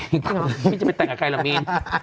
พี่จะไปแต่งกับใครล่ะมี